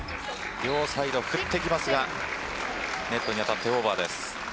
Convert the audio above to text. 両サイド振っていきますがネットにあたってオーバーです。